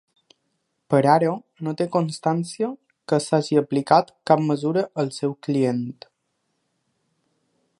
Per ara, no té constància que s’hagi aplicat cap mesura al seu client.